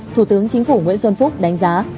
thủ tướng chính phủ nguyễn xuân phúc đánh giá